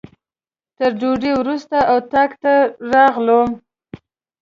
تر ډوډۍ وروسته اتاق ته راغلم.